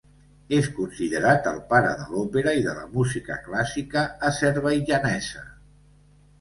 És considerat el pare de l'òpera i de la música clàssica azerbaidjanesa.